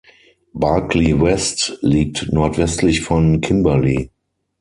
Barkly West liegt nordwestlich von Kimberley.